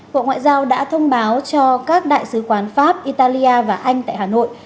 bộ ngoại giao đã thông báo cho các đại sứ quán pháp italia và anh tại hà nội